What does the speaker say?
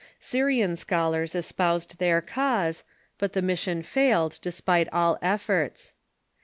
Syrian scholars es poused their cause, but the mission failed, despite all efforts.